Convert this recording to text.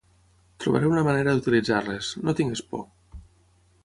Trobaré una manera d'utilitzar-les. No tinguis por!